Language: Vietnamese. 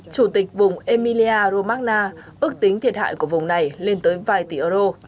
chủ tịch vùng emilia magna ước tính thiệt hại của vùng này lên tới vài tỷ euro